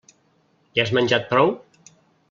Ja has menjat prou?